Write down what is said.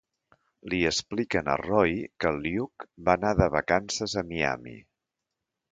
Li expliquen a Roy que Luke va anar de vacances a Miami.